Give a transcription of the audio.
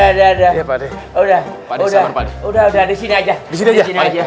udah udah disini aja